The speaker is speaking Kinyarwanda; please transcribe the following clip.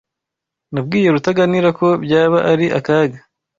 Nabwiye Rutaganira ko byaba ari akaga.